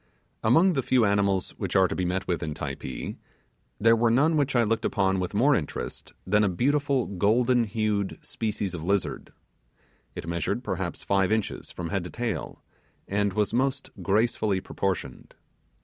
Among the few animals which are to be met with in Typee, there was none which I looked upon with more interest than a beautiful golden hued species of lizard. It measured perhaps five inches from head to tail, and was most gracefully proportioned.